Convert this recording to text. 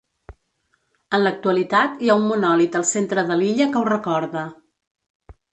En l'actualitat hi ha un monòlit al centre de l'illa que ho recorda.